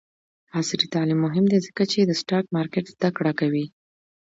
عصري تعلیم مهم دی ځکه چې د سټاک مارکیټ زدکړه کوي.